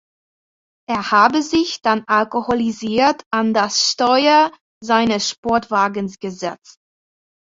Er habe sich dann alkoholisiert an das Steuer seines Sportwagens gesetzt.